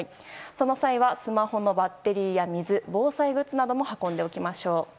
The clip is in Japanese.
その際はスマホのバッテリー水、防災グッズなどを運んでおきましょう。